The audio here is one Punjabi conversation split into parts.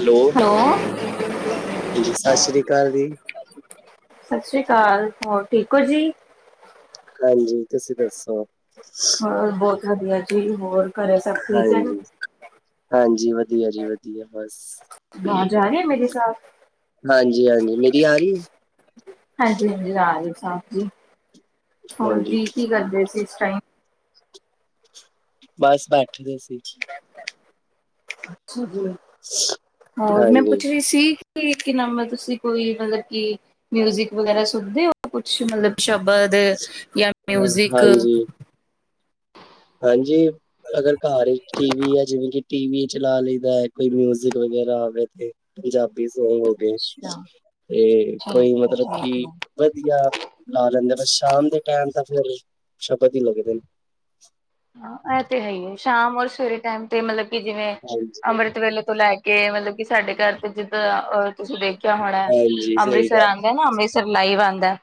ਹੈਲੋ ਹਾਂਜੀ ਸਤਿ ਸ੍ਰੀ ਅਕਾਲ ਜੀ ਸਤਿ ਸ੍ਰੀ ਅਕਾਲ ਹੋਰ ਠੀਕ ਹੋ ਜੀ ਹਾਂਜੀ ਤੁਸੀਂ ਦੱਸੋ ਹੋਰ ਬਹੁਤ ਵਧੀਆ ਜੀ ਹੋਰ ਘਰੇ ਸਭ ਠੀਕ ਹੈ। ਹਾਂਜੀ। ਹਾਂਜੀ ਵਧੀਆ ਜੀ ਵਧੀਆ ਬਸ ਜਾ ਰਹੇ ਮੇਰੇ ਸਾਥ ਹਾਂਜੀ ਹਾਂਜੀ ਮੇਰੀ ਆ ਰਹੀ ਹਾਂਜੀ ਹਾਂਜੀ ਰਾਜ ਸਾਹਿਬ ਜੀ ਹੈ। ਹੋਰ ਹਾਂਜੀ। ਜੀ ਕੀ ਕਰਦੇ ਸੀ ਇਸ ਟਾਈਮ ਬਸ ਬੈਠਦੇ ਸੀ। ਅੱਛਾ ਜੀ ਹੋਰ ਮੈਂ ਹਾਂਜੀ। ਪੁੱਛ ਰਹੀ ਸੀ। ਨੀ ਤੁਸੀਂ ਕੋਈ ਮਤਲਬ ਕਿ ਮਿਊਜਿਕ ਵਗੈਰਾ ਸੁਣਦੇ ਹੋ ਕੁ ਮਤਲਬ ਸ਼ਬਦ ਜਾਂ ਹਾਂ, ਮਿਊਜਿਕ ਹਾਂਜੀ ਹਾਂਜੀ ਅਗਰ ਘਰ ਟੀਵੀ ਆ ਜਿਵੇਂ ਕਿ ਟੀਵੀ ਚਲਾ ਲਈਦਾ ਹੈ ਕੋਈ ਮਿਊਜਿਕ ਵਗੈਰਾ ਹੋਵੇ ਤੇ ਪੰਜਾਬੀ ਸੌਗ ਹੋ ਗਏ ਅੱਛਾ ਤੇ ਠੀਕ ਹੈ ਕੋਈ ਮਤਲਬ ਠੀਕ ਕਿ ਹੈ ਵਧੀਆ ਲਾ ਲੈਂਦੇ ਆ ਬਸ ਸ਼ਾਮ ਦੇ ਟਾਈਮ ਤਾਂ ਫਿਰ ਸ਼ਬਦ ਹੀ ਲੱਗਦੇ ਨੇ ਹਾਂ ਇਹ ਤੇ ਹੈ ਹੀ ਹੈ ਸ਼ਾਮ ਔਰ ਸਵੇਰੇ ਟਾਈਮ ਤੇ ਮਤਲਬ ਕਿ ਜਿਵੇਂ ਹਾਂਜੀ। ਅੰਮ੍ਰਿਤ ਵੇਲੇ ਤੋਂ ਲੈ ਕੇ ਮਤਲਬ ਕਿ ਸਾਡੇ ਘਰ ਤੇ ਜਿੱਦਾਂ ਅ ਤੁਸੀਂ ਦੇਖਿਆ ਹੋਣਾ ਹਾਂਜੀ ਸਹੀ ਅੰਮ੍ਰਿਤਸਰ ਗੱਲ ਆ ਇਹ ਨਾ ਅੰਮ੍ਰਿਤਸਰ ਲਾਈਵ ਆਉਂਦਾ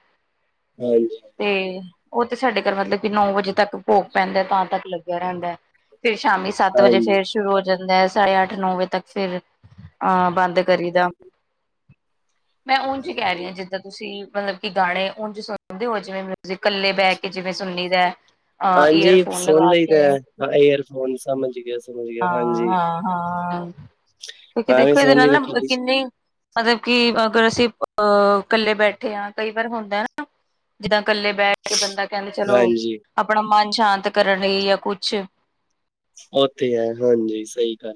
ਹਾਂਜੀ ਤੇ ਉਹ ਤੇ ਸਾਡੇ ਘਰ ਮਤਲਬ ਕਿ ਨੌ ਵਜੇ ਤੱਕ ਭੋਗ ਪੈਂਦਾ ਤਾਂ ਤੱਕ ਲੱਗਿਆ ਰਹਿੰਦਾ ਫਿਰ ਸ਼ਾਮੀ ਸੱਤ ਵਜੇ ਹਾਂਜੀ। ਫਿਰ ਸ਼ੁਰੂ ਹੋ ਜਾਂਦਾ ਹੈ ਸਾਢੇ ਅੱਠ ਨੌ ਵਜੇ ਤੱਕ ਫਿਰ ਅਹ ਬੰਦ ਕਰੀ ਦਾ ਮੈਂ ਉਝ ਕਹਿ ਰਹੀ ਹਾਂਜੀ ਹਾਂ ਜਿੱਦਾਂ ਤੁਸੀਂ ਮਤਲਬ ਕਿ ਗਾਣੇ ਉੰਝ ਸੁਣਦੇ ਹੋ ਜਿਵੇਂ ਮਊਜ਼ਿਕ ਇਕੱਲੇ ਬਹਿ ਕੇ ਜਿਵੇਂ ਸੁਨੀ ਦਾ ਅਹ ਈਅਰ ਹਾਂਜੀ ਸੁਣ ਲਈ ਦਾ ਇਅਰ ਫੋਨ ਸਾਮਾਂਜਿਕ ਅ ਹਾਂ ਹਾਂ ਹਾਂ ਕਿਉਂਕਿ ਐਵੇਂ ਦੇਖੋ ਇਹਦੇ ਸੁਣ ਨਾਲ ਲਈਦਾ ਨਾ ਕਦੀ ਕਿੰਨੇ ਮਤਲਬ ਕਿ ਅਗਰ ਅਸੀਂ ਅਹ ਇਕੱਲੇ ਬੈਠੇ ਹਾਂ ਕਈ ਵਾਰ ਹੁੰਦਾ ਨਾ ਜਿੱਦਾਂ ਇਕੱਲੇ ਬੈਠ ਕੇ ਬੰਦਾ ਕਹਿੰਦੇ ਚਲੋ ਹਾਂਜੀ ਆਪਣਾ ਮਨ ਸ਼ਾਂਤ ਕਰਨ ਲਈ ਜਾਂ ਕੁਛ ਓ ਤੇ ਇਹ ਹਾਂਜੀ ਸਹੀ ਗੱਲ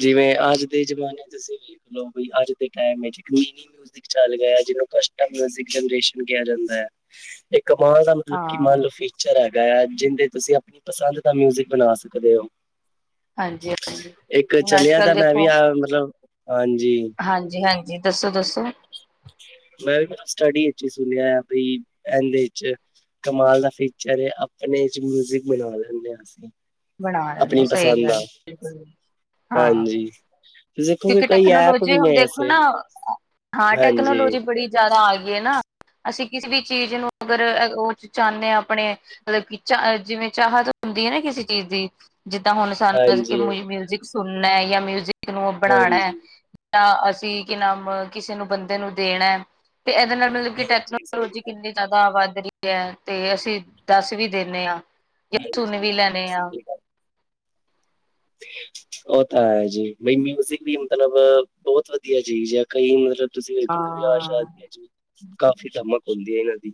ਜਿਵੇਂ ਅੱਜ ਦੇ ਜਮਾਨੇ ਅਸੀਂ ਲਓ ਵੀ ਅੱਜ ਦੇ ਟਾਈਮ ਵਿੱਚ ਚੱਕਣੀ ਨਹੀਂ ਉਸ ਦੀ ਚੱਲ ਗਿਆ ਜਿਹਨੂੰ ਕਸਟਮ ਜਨਰੇਸ਼ਨ ਕਿਹਾ ਜਾਂਦਾ ਹੈ। ਕਮਾਨ ਦਾ ਮਤਲਬ ਕਿ ਹਾਂ ਮੰਨ ਲਓ ਫਿਊਚਰ ਹੈਗਾ ਆ ਜਿੰਦੇ ਤੁਸੀਂ ਆਪਣੀ ਪਸੰਦ ਦਾ ਮਿਊਜ਼ਿਕ ਬਣਾ ਸਕਦੇ ਹੋ ਹਾਂਜੀ ਹਾਂਜੀ ਇੱਕ ਹੁਣ ਅੱਜ ਚੱਲਿਆ ਕੱਲ ਤਾਂ ਮੈਂ ਵੀ ਦੇਖੋ ਆ ਮਤਲਬ ਹਾਂਜੀ ਹਾਂਜੀ ਹਾਂਜੀ ਦੱਸੋ ਦੱਸੋ ਮੈਂ ਵੀ ਸਟੱਡੀ ਵਿਚ ਹੀ ਸੁਣਿਆ ਬੀ ਇਦੇ ਚ ਕਮਾਲ ਦਾ ਫਿਊਚਰ ਹੈ ਆਪਣੇ ਚ ਮਿਊਜਿਕ ਵਜਾ ਲਿੰਦੇ ਹਾਂ ਅਸੀਂ ਬਣਾ ਲੈਂਦੇ ਆਪਣੀ ਸਹੀ ਪਸੰਦ ਦਾ ਗੱਲ ਹਾਂ। ਹਾਂਜੀ ਤੁਸੀਂ ਦੇਖੋਗੇ ਇਕ ਕਈ ਐਪ ਟੈਕਨੋਲੋਜੀ ਵੀ ਹੁਣ ਨੇ ਦੇਖੋ ਐਸੇ ਨਾ ਹਾਂ ਹਾਂਜੀ ਟੈਕਨੋਲੋਜੀ ਬੜੀ ਜ਼ਿਆਦਾ ਆ ਗਈ ਹੈ ਨਾ ਅਸੀਂ ਕਿਸੇ ਵੀ ਚੀਜ਼ ਨੂੰ ਅਗਰ ਉਹ ਚਾਹੁੰਨੇ ਆ ਆਪਣੇ ਮਤਲਬ ਕਿ ਚਾਹ ਜਿਵੇਂ ਚਾਹਤ ਹੁੰਦੀ ਹੈ ਨਾ ਕਿਸੇ ਚੀਜ਼ ਦੀ ਜਿੱਦਾਂ ਹੁਣ ਹਾਂਜੀ ਸਾਨੂੰ ਮਿਊਜਿਕ ਸੁਣਨਾ ਜਾਂ ਮਿਊਜਿਕ ਰੂਮ ਬਣਾਉਣਾ ਹਾਂਜੀ ਹਾਂਜੀ ਤਾਂ ਅਸੀਂ ਕਿ ਨਾਮ ਕਿਸੇ ਨੂੰ ਬੰਦੇ ਨੂੰ ਦੇਣਾ ਐ ਤੇ ਇਹਦੇ ਨਾਲ ਮਤਲਬ ਕਿ ਸਹੀ ਟੈਕਨੋਲੋਜੀ ਗੱਲ, ਕਿੰਨੀ ਜ਼ਿਆਦਾ ਵੱਧ ਰਹੀ ਹੈ ਤੇ ਅਸੀਂ ਦੱਸ ਵੀ ਦਿੰਨੇ ਆ ਜਾਂ ਸੂਨ ਹਾਂਜੀ ਵੀ ਲੈਨੇ ਆ ਸਹੀ ਗੱਲ। [unintelligible] ਉਹ ਤਾਂ ਹੈ ਜੀ ਬਈ ਮਿਊਜਿਕ ਵੀ ਮਤਲਬ ਬਹੁਤ ਵਧੀਆ ਚੀਜ਼ ਹੈ ਕਈ ਮਤਲਬ ਤੁਸੀਂ ਵੇਖੋ ਕਿ ਵਿਆਹ ਹਾਂ ਸ਼ਾਦੀਆਂ ਵਿੱਚ ਵੀ ਕਾਫੀ ਧਮਕ ਹੁੰਦੀ ਹੈ ਇਨਾਂ ਦੀ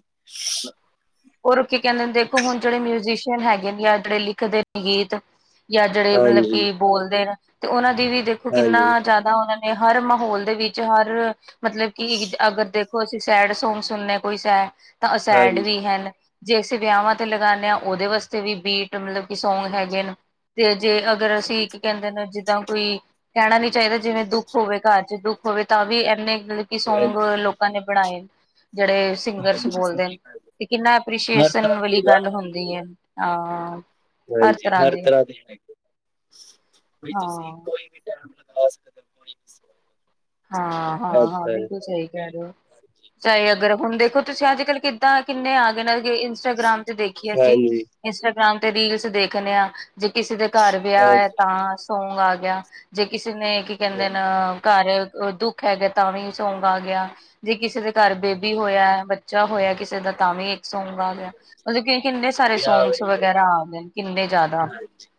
ਉਹ ਹੁਣ ਕਿ ਕਹਿੰਦੇ ਨੇ ਦੇਖੋ ਹੁਣ ਜਿਹੜੇ ਮਿਊਜੀਸ਼ੀਅਨ ਹੈਗੇ ਨੇ ਜਾਂ ਜਿਹੜੇ ਲਿਖਦੇ ਨੇ ਗੀਤ ਜਾਂ ਜਿਹੜੇ ਮਤਲਬ ਹਾਂਜੀ ਕਿ ਬੋਲਦੇ ਨੇ ਤੇ ਉਹਨਾਂ ਦੀ ਵੀ ਦੇਖੋ ਕਿੰਨਾ ਹਾਂਜੀ ਜ਼ਿਆਦਾ ਉਹਨਾਂ ਹਰ ਮਾਹੌਲ ਦੇ ਵਿੱਚ ਹਰ ਮਤਲਬ ਕਿ ਅਗਰ ਦੇਖ ਅਸੀਂ ਸੈਡ ਸੌਗ ਸੁਣਨੇ ਕੋਈ ਸੈਡ ਤਾਂ ਸੈਡ ਹਾਂਜੀ ਵੀ ਹਨ ਜੇ ਅਸੀਂ ਵਿਆਵਾਂ ਤੇ ਲਗਾਉਦੇ ਹਾਂ ਉਹਦੇ ਵਾਸਤੇ ਵੀ ਬੀਟ ਮਤਲਬ ਕਿ ਸੌਂਗ ਹੈਗੇ ਨੇ ਤੇ ਜੇ ਅਗਰ ਅਸੀਂ ਇਕ ਕਹਿੰਦੇ ਨੇ ਜਿੱਦਾਂ ਕੋਈ ਕਹਿਣਾ ਨੀ ਚਾਹੀਦਾ ਜਿਵੇਂ ਦੁੱਖ ਹੋਵੇ ਘਰ ਚ ਦੁੱਖ ਹੋਵੇ ਤਾਂ ਵੀ ਇੰਨੇ ਮਤਲਬ ਕਿ ਸੌਂਗ ਹਾਂਜੀ ਲੋਕਾਂ ਨੇ ਬਣਾਏ ਜਿਹੜੇ ਸਿੰਗਰਜ਼ ਹਾਂਜੀ ਬੋਲਦੇ ਸਹੀ ਗੱਲ ਹੈ ਤੇ ਏਹ ਕਿੰਨਾ ਹਰ ਐਪ੍ਰਰੀਸ਼ੀਏਸ਼ਨ ਤਰ੍ਹਾਂ ਦੇ ਵਾਲੀ ਨਾ ਗੱਲ ਹੁੰਦੀ ਹਾਂਜੀ ਹੈ ਅ ਹਾਂਜੀ ਹਰ ਤਰ੍ਹਾਂ ਦੇ ਹੈਗੇ ਹਾਂ ਤੁਸੀਂ ਕੋਈ ਵੀ ਲਗਾ ਸਕਦੇ ਕੋਈ ਹਾਂ ਹਾਂ ਹਾਂ ਏਦਾਂ ਹੈ ਬਿਲਕੁਲ ਸਹੀ ਕਹਿ ਰਏ ਹੋ ਹਾਂਜੀ ਚਾਹੇ ਅਗਰ ਹੁਣ ਦੇਖੋ ਤੁਸੀਂ ਅੱਜ ਕੱਲ੍ਹ ਕਿੱਦਾਂ ਕਿੰਨੇ ਆ ਗਏ ਨੇ ਜੇ ਇੰਸਟਾਗ੍ਰਾਮ ਤੇ ਦੇਖੀਏ ਅਸੀਂ ਹਾਂਜੀ ਇੰਸਟਾਗ੍ਰਾਮ ਤੇ ਰੀਲਸ ਦੇਖਣੇ ਆ ਜੇ ਕਿਸੇ ਦੇ ਘਰ ਵਿਆਹ ਹੈ ਹਾਂਜੀ ਤਾਂ ਸੌਂਗ ਆ ਗਿਆ ਜੇ ਕਿਸੇ ਨੇ ਕੀ ਕਹਿੰਦੇ ਨ ਹਾਂਜੀ ਘਰ ਦੁੱਖ ਹੈਗਾ ਤਾਂ ਵੀ ਸੌਂਗ ਆ ਗਿਆ ਜੇ ਕਿਸੇ ਦੇ ਘਰ ਬੇਬੀ ਹੋਇਆ ਬ ਬੱਚਾ ਹੋਇਆ ਕਿਸੇ ਦਾ ਤਾਂ ਵੀ ਸੌਂਗ ਆ ਗਿਆ ਹਾਂਜੀ ਮਤਲਬ ਕਿ ਕਿੰਨੇ ਸਾਰੇ ਵਿਆਹ ਸੌਂਗਸ ਵੇਲੇ ਵਗੈਰਾ ਆ ਗਏ ਕਿੰਨੇ ਜਾਦਾ ਹਾਂਜੀ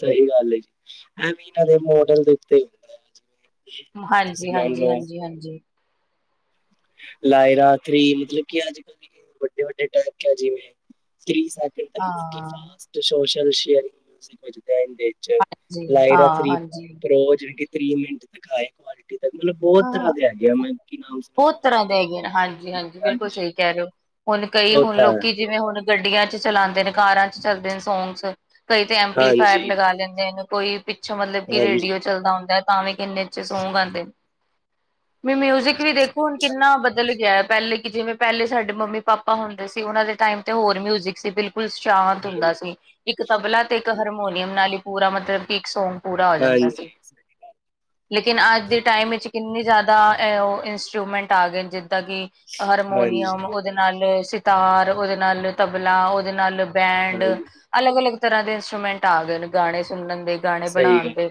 ਸਹੀ ਗੱਲ ਹੈ ਜੀ ਐਵੇਂ ਇਹਨਾਂ ਦੇ ਮੋਡਲ ਦੇ ਉੱਤੇ ਹੁੰਦੀ ਏ ਹਾਂਜੀ ਹਾਂਜੀ ਹਾਂਜੀ ਹਾਂਜੀ ਲਾਇਰਾਥ੍ਰੀ ਮਤਲਬ ਕਿ ਅੱਜ ਕੱਲ੍ਹ ਵੱਡੇ ਵੱਡੇ ਟੈਕ ਆ ਜਿਵੇਂ ਥ੍ਰੀ ਤੱਕ ਮਤਲਬ ਕਿ ਹਾਂ fast social sharing by nature ਜੀ ਲਾਇਰਾ ਹਾਂ ਥਰੀ ਹਾਂਜੀ ਪਰੋ ਜਿਵੇਂ ਤੀਹ ਮਿੰਟ ਤੱਕ ਆਏ ਕੁਆਲਿਟੀ ਤੱਕ ਮਤਲਬ ਬਹੁਤ ਤਰ੍ਹਾਂ ਹਾਂ ਦੇ ਹੈਗੇ ਆ ਮੈਂ ਕੀ ਨਾਮ ਸੁਣਾ ਬਹੁਤ ਤਰ੍ਹਾਂ ਦੇ ਗਏ ਹਾਂਜੀ ਹਾਂਜੀ ਬਿਲਕੁਲ ਸਹੀ ਕਹਿ ਰਹੇ ਹੋ ਹੁਣ ਕਈ ਉਹ ਹੁਣ ਤਾਂ ਹੈ ਲੋਕੀ ਜਿਵੇਂ ਹੁਣ ਗੱਡੀਆਂ ਚ ਚਲਾਉਂਦੇ ਨੇ ਕਾਰਾਂ ਚ ਚੱਲਦੇ ਨੇ ਸੌਂਗਜ਼ ਕਈ ਤੇ ਐਪਲੀਫਾਇਰ ਹਾਂਜੀ ਲਗਾ ਦਿੰਦੇ ਨੇ ਕੋਈ ਪਿੱਛੋਂ ਮਤਲਬ ਕਿ ਰੇਡੀਓ ਹਾਂਜੀ ਚੱਲਦਾ ਹੁੰਦਾ ਹੈ ਤਾਂ ਵੀ ਕਹਿੰਦੇ ਇਚ ਸੋਂਗ ਆਉਂਦੇ ਵੀ ਮਿਊਜਿਕ ਵੀ ਹਾਂਜੀ ਦੇਖੋ ਸਹੀ ਹੁਣ ਗੱਲ ਕਿੰਨਾ ਬਦਲ ਗਿਆ ਹੈ ਪਹਿਲੇ ਕਿ ਜਿਵੇਂ ਪਹਿਲੇ ਸਾਡੇ ਮੰਮੀ ਪਾਪਾ ਹੁੰਦੇ ਸੀ ਉਹਨਾਂ ਦੇ ਟਾਈਮ ਤੇ ਹੋਰ ਮਿਊਜਿਕ ਸੀ ਬਿਲਕੁਲ ਸ਼ਾਂਤ ਹੁੰਦਾ ਹਾਂਜੀ ਸੀ ਇੱਕ ਤਬਲਾ ਤੇ ਇੱਕ ਹਰਮੋਨੀਅਮ ਨਾਲ ਹੀ ਪੂਰਾ ਮਤਲਬ ਕਿ ਇੱਕ ਸੌਂਗ ਪੂਰਾ ਹੋ ਜਾਂਦਾ ਹਾਂਜੀ ਸੀ ਸਹੀ- ਲੇਕਿਨ ਅੱਜ ਦੇ ਟਾਈਮ ਇਚ ਕਿੰਨੇ ਜਿਆਦਾ ਅ ਉਹ ਇੰਸਟਰੂਮੈਂਟ ਆ ਗਏ ਜਿੱਦਾਂ ਕਿ ਹਾਰਮੋਨੀਅਮ ਹਾਂਜੀ ਉਹਦੇ ਨਾਲ ਸਿਤਾਰ, ਉਹਦੇ ਨਾਲ ਤਬਲਾ, ਉਹਦੇ ਨਾਲ ਬੈਂਡ। ਹਾਂਜੀ ਅਲੱਗ ਅਲੱਗ ਤਰ੍ਹਾਂ ਦੇ ਇੰਸਟਰੂਮੈਂਟ ਆ ਗਏ ਨੇ ਗਾਣੇ ਸੁਣਨ ਦੇ ਗਾਣੇ ਬਣਾਣ ਦੇ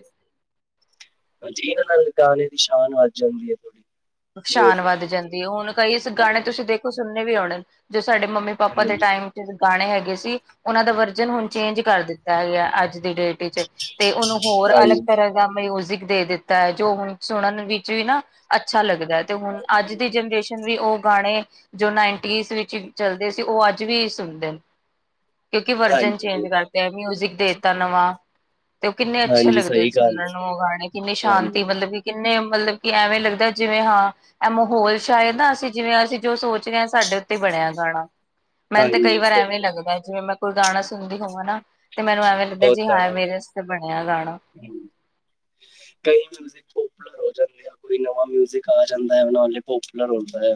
ਜੀ ਇਹਨਾਂ ਨਾਲ ਗਾਣੇ ਦੀ ਸ਼ਾਨ ਵੱਜ ਜਾਂਦੀ ਏ ਥੋੜੀ ਸ਼ਾਨ ਮਿਊਜ਼ਿਕ ਵੱਧ ਦੀ ਜਾਂਦੀ ਏ ਹੁਣ ਕਈ ਗਾਣੇ ਹਾਂਜੀ ਤੁਸੀਂ ਦੇਖੋ ਸੁਣਨੇ ਵੀ ਆਉਣੇ ਜੋ ਸਾਡੇ ਮੰਮੀ ਪਾਪਾ ਦੇ ਹਾਂਜੀ ਟਾਈਮ ਚ ਗਾਣੇ ਹੈਗੇ ਸੀ ਉਹਨਾਂ ਦਾ ਵਰਜਨ ਹੁਣ ਚੇਂਜ ਕਰ ਦਿੱਤਾ ਹੈਗਾ ਅੱਜ ਦੀ ਡੇਟ ਵਿਚ ਤੇ ਉਹਨੂੰ ਹੋਰ ਹਾਂਜੀ ਅਲੱਗ ਤਰ੍ਹਾਂ ਦਾ ਮਿਊਜਿਕ ਦੇ ਦਿੱਤਾ ਜੋ ਹੁਣ ਸੁਣਨ ਵਿੱਚ ਵੀ ਨਾ ਅੱਛਾ ਲੱਗਦਾ ਤੇ ਹੁਣ ਅੱਜ ਹਾਂਜੀ, ਦੀ ਜਨਰੇਸ਼ਨ ਵੀ ਉਹ ਗਾਣੇ ਜੋ ਨਾਈਨਟੀਜ਼ ਵਿੱਚ ਚੱਲਦੇ ਸੀ ਉਹ ਅੱਜ ਵੀ ਸੁਣਦੇ ਕਿਉਂਕਿ ਵਰਜਨ ਚੇਂਜ ਕਰਤੇ ਮਿਊਜਿਕ ਦੇਤਾ ਨਵਾਂ ਤੇ ਉਹ ਕਿੰਨੇ ਅੱਛੇ ਹਾਂਜੀ ਲੱਗਦੇ ਸਹੀ ਗੱਲ ਸੁਣਨ ਨੂੰ ਉਹ ਗਾਣੇ ਕਿੰਨੀ ਹੈ, ਹਾਂਜੀ, ਸ਼ਾਂਤੀ ਮਤਲਬ ਕਿ ਕਿੰਨੇ ਮਤਲਬ ਕਿ ਐਵੇਂ ਲੱਗਦਾ ਜਿਵੇਂ ਹਾਂ ਇਹ ਮਾਹੌਲ ਸ਼ਾਇਦ ਆ ਅਸੀਂ ਜਿਵੇਂ ਅਸੀਂ ਜੋ ਸੋਚ ਰਹੇ ਹਾਂ ਸਾਡੇ ਉੱਤੇ ਬਣਿਆ ਗਾਣਾ ਮੈਨੂੰ ਤਾਂ ਕਈ ਹਾਂਜੀ ਵਾਰ ਸਹੀ ਐਵੇਂ ਈ ਗੱਲ ਲੱਗਦਾ ਜਿਵੇਂ ਮੈਂ ਕੋਈ ਗਾਣਾ ਸੁਣਦੀ ਹੋਵਾਂ ਨਾ ਤੇ ਮੈਨੂੰ ਐਵੇਂ ਲੱਗਦਾ ਉਹ ਜੀ ਤਾਂ ਹਾਂ ਹੈ, ਮੇਰੇ ਵਸਤੇ ਬਣਿਆ ਗਾਣਾ ਕਈ ਮਿਊਜ਼ਿਕ ਪੋਪੂਲਰ ਹੋ ਜਾਂਦੇ ਆ ਕੋਈ ਨਵਾਂ ਮਿਊਜ਼ਿਕ ਆ ਜਾਂਦਾ ਹੈ ਉਹਨੇ ਪੋਪੂਲਰ ਹੋ ਜਾਣੇ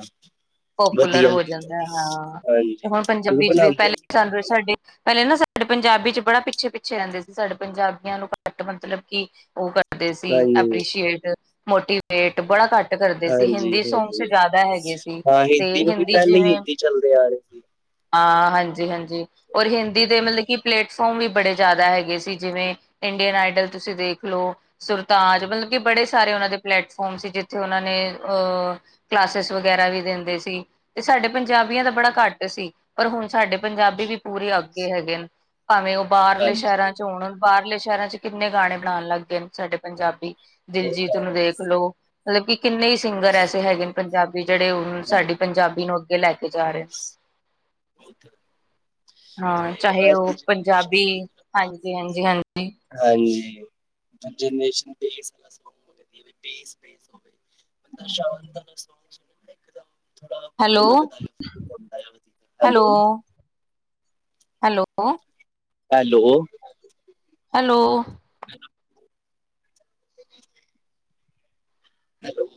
ਪੋਪੂਲਰ ਹੋ ਜਾਂਦਾ ਹਾਂ ਹਾਂਜੀ, ਤੇ ਹੁਣ ਕਿਉਂਕਿ ਪੰਜਾਬੀ ਚ ਵੀ ਬਣਾਉਂਦੇ ਹੀ ਪਹਿਲੇ ਨ ਸਾਡੇ ਪਹਿਲੇ ਨਾ ਸਾਡੇ ਪੰਜਾਬੀ ਚ ਬੜਾ ਪਿੱਛੇ ਪਿੱਛੇ ਰਹਿੰਦੇ ਸੀ ਸਾਡੇ ਪੰਜਾਬੀਆਂ ਨੂੰ ਘੱਟ ਮਤਲਬ ਕਿ ਉਹ ਕਰਦੇ ਸੀ ਹਾਂਜੀ, ਐਪ੍ਰਸ਼ੀਏਟ ਮੋਟੀਵੇਟ ਬੜਾ ਘੱਟ ਕਰਦੇ ਸੀ ਹਾਂਜੀ, ਹਿੰਦੀ ਸੌਗਸ ਹਾਂਜੀ। ਜ਼ਿਆਦਾ ਹੈਗੇ ਸੀ ਹਾਂ, ਤੇ ਹਿੰਦੀ ਕਿਉਂਕਿ ਹਿੰਦੀ ਪਹਿਲੇ ਹੀ ਜਿਵੇਂ ਹਿੰਦੀ ਚੱਲਦੇ ਆ ਰਹੇ ਸੀ ਹਾਂ ਹਾਂਜੀ ਹਾਂਜੀ ਔਰ ਹਿੰਦੀ ਦੇ ਮਤਲਬ ਕਿ ਪਲੇਟਫਾਰਮ ਵੀ ਬੜੇ ਜ਼ਿਆਦਾ ਹੈਗੇ ਸੀ ਜਿਵੇਂ ਇੰਡੀਅਨ ਆਈਡਲ ਤੁਸੀਂ ਦੇਖ ਲਓ ਸੁਰਤਾਜ ਮਤਲਬ ਕਿ ਬੜੇ ਸਾਰੇ ਉਹਨਾਂ ਦੇ ਪਲੇਟਫੋਮ ਸੀ ਜਿੱਥੇ ਉਹਨਾਂ ਨੇ ਅਹ ਕਲਾਸਿਸ ਵਗੈਰਾ ਵੀ ਦਿੰਦੇ ਸੀ ਤੇ ਸਾਡੇ ਪੰਜਾਬੀਆਂ ਦਾ ਬੜਾ ਘੱਟ ਸੀ ਪਰ ਹੁਣ ਸਾਡੇ ਪੰਜਾਬੀ ਵੀ ਪੂਰੇ ਅੱਗੇ ਹੈਗੇ ਨੇ ਭਾਵੇਂ ਉਹ ਬਾਹਰਲੇ ਹਾਂਜੀ, ਸ਼ਹਿਰਾਂ ਚ ਚੋ ਹੋਣ ਬਾਹਰਲੇ ਸ਼ਹਿਰਾਂ ਚ ਕਿੰਨੇ ਗਾਣੇ ਬਣਾਉਣ ਲੱਗ ਗਏ ਹਨ ਸਾਡੇ ਪੰਜਾਬੀ ਉਹ ਦਿਲਜੀਤ ਤਾਂ ਨੂੰ ਹੈ। ਦੇਖ ਲਓ ਮਤਲਬ ਕਿ ਕਿੰਨੇ ਹੀ ਸਿੰਗਰ ਐਸੇ ਹੈਗੇ ਨੇ ਪੰਜਾਬੀ ਜਿਹੜੇ ਹ ਸਾਡੀ ਪੰਜਾਬੀ ਨੂੰ ਅੱਗੇ ਲੈ ਕੇ ਜਾ ਰਹੇ ਨੇ ਉਹ ਤਾਂ ਹੈ। ਹਾਂ ਜਿਵੇਂ ਚਾਹੇ ਅੱਜ ਉਹ ਦੀ ਪੰਜਾਬੀ ਜਨਰੇਸ਼ਨ ਹਾਂਜੀ ਹਾਂਜੀ ਹਾਂਜੀ [unintelligible] [unintelligible] ਥੋੜਾ ਹੈਲੋ ਬਹੁ ਲੱਗਦਾ ਆਦਾ hello hello hello hello [inaudible] hello